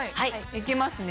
いきますね。